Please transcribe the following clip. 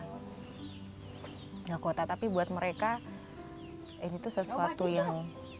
nggak kuota tapi buat mereka ini tuh sesuatu yang